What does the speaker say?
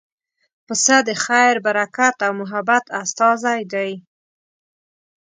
پسه د خیر، برکت او محبت استازی دی.